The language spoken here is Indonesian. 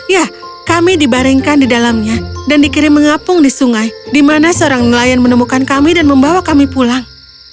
ya kami dibaringkan di dalamnya dan dikirim mengapung di sungai di mana seorang nelayan menemukan kami dan membawa kami pulang